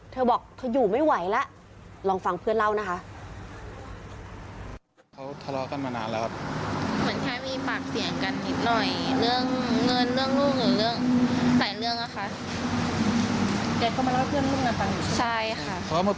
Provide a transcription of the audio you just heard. เธอบอกเธออยู่ไม่ไหวแล้วลองฟังเพื่อนเล่านะคะ